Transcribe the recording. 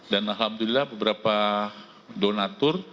dan alhamdulillah beberapa donatur